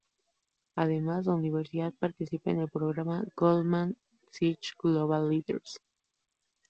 Además, la Universidad participa en el programa "Goldman Sachs Global Leaders".